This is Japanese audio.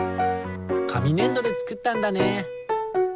かみねんどでつくったんだね。